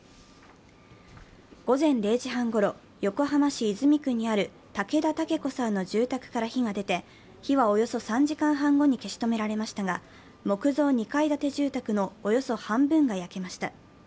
午前０時半ごろ、横浜市泉区にある竹田竹子さんの住宅から火が出て、火はおよそ３時間半後に消し止められましたが木造２階建て住宅のおよそ半分が焼けました。